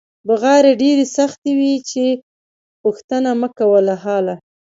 بغارې ډېرې سختې وې چې پوښتنه مکوه له حاله.